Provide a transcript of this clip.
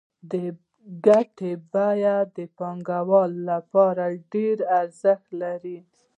د ګټې بیه د پانګوال لپاره ډېر ارزښت لري